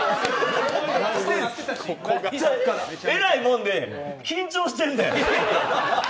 えらいもんで緊張してんだよ。